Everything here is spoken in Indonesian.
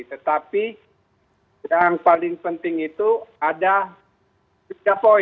tetapi yang paling penting itu ada tiga poin